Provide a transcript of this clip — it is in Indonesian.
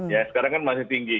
ya sekarang kan masih tinggi